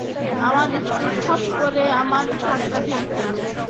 আমার স্ত্রী খপ করে আমার হাতটা ধরে ফেলল।